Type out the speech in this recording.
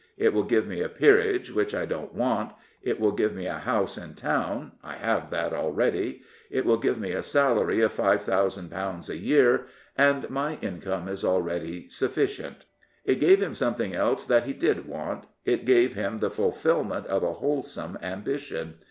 It will give me a peerage, which I don't want; it will give me a house in town: I have that already. It will give me a salary of £5000 a year, and my income is already sufficient." It gave him something else that he did want. It gave him the fulfilment of a wholesome ambition.